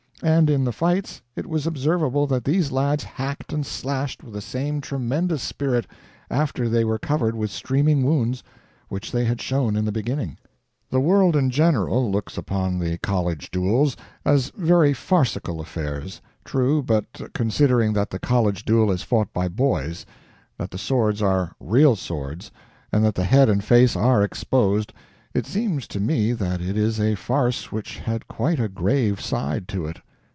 And in the fights it was observable that these lads hacked and slashed with the same tremendous spirit, after they were covered with streaming wounds, which they had shown in the beginning. The world in general looks upon the college duels as very farcical affairs: true, but considering that the college duel is fought by boys; that the swords are real swords; and that the head and face are exposed, it seems to me that it is a farce which had quite a grave side to it.